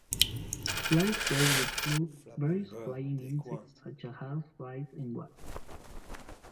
Fly sprays will kill various flying insects such as house flies and wasps.